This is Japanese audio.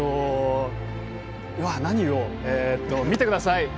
何を言おう見てください！